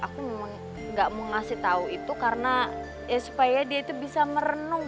aku memang gak mau ngasih tahu itu karena ya supaya dia itu bisa merenung